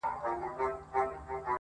چي په فکر کي دي نه راځي پېښېږي-